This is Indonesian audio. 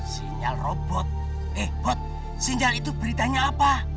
sinyal robot eh bot sinyal itu beritanya apa